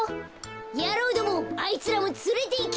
やろうどもあいつらもつれていけ！